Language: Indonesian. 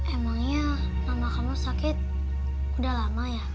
emangnya mama kamu sakit udah lama ya